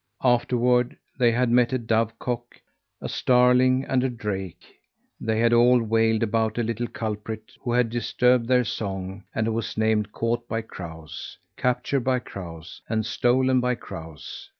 Afterward, they had met a dove cock, a starling and a drake; they had all wailed about a little culprit who had disturbed their song, and who was named Caught by Crows, Captured by Crows, and Stolen by Crows.